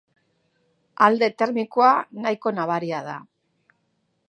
Alde termikoa nahiko nabaria da.